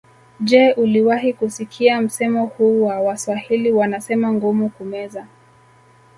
Je uliwahi kusikia msemo huu wa Waswahili wanasema ngumu kumeza